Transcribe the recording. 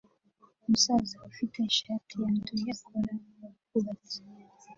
Umusaza ufite ishati yanduye akora mubwubatsi